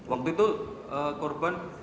waktu itu korban